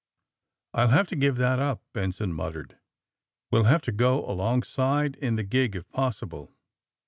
*^I'll have to give that up," Benson mut tered. We'll have to go alongside in the gig, if possible.